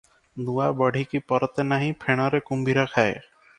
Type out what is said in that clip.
ନୂଆ ବଢ଼ିକି ପରତେ ନାହିଁ, ଫେଣରେ କୁମ୍ଭୀର ଖାଏ ।